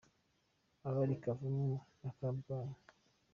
Abari i Kavumu na Kabgayi